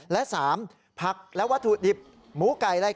และ๓ผักและวัตถุดิบหมูไก่อะไร